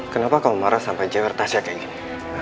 kenapa kamu marah sampai jawab tasya kayak gini